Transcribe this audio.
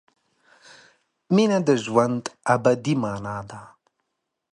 مینه د ژوند ابدي مانا ده.